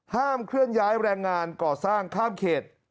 ห้ามเคลื่อนย้ายแรงงานก่อสร้างข้ามเขต